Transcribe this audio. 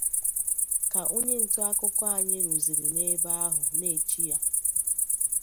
Ka onye ntaakụkọ anyị ruzịrị n'ebe ahụ n'echi ya